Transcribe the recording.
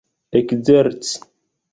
ekzerci